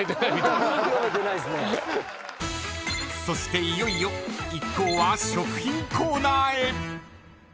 そしていよいよ一行は食品コーナーへ。